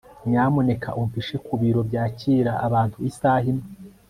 nyamuneka umpishe ku biro byakira abantu isaha imwe